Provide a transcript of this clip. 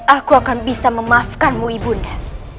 aku akan bisa memaafkanmu ibu nda